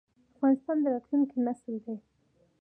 افغانستان د راتلونکي نسل دی؟